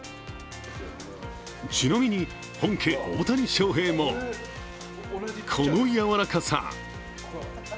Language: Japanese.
ちなみに本家・大谷翔平もこの柔らかさ。